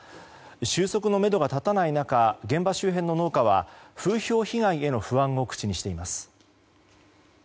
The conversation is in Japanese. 収束のめどが立たない中現場周辺の農家は風評被害への不安を口にしています。